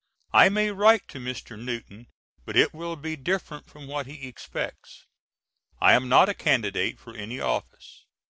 I may write to Mr. Newton but it will be different from what he expects. I am not a candidate for any office.